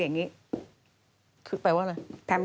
เขาเหมือนใครใช่ว่า